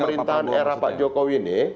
pemerintahan era pak jokowi ini